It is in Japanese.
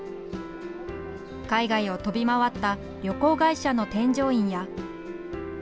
海外を飛び回った旅行会社の添乗員や。